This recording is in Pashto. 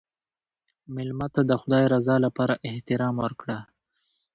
مېلمه ته د خدای رضا لپاره احترام ورکړه.